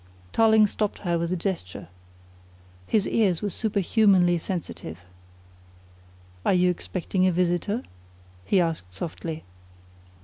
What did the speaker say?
Tarling stopped her with a gesture. His ears were superhumanly sensitive. "Are you expecting a visitor?" he asked softly.